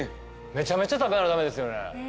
めちゃめちゃ食べな駄目ですよね。